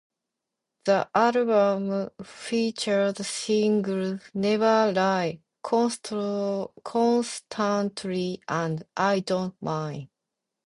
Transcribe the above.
The album featured singles "Never Lie", "Constantly" and "I Don't Mind".